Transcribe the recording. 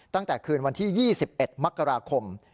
ตั้งแต่คืนวันที่๒๑มกราคม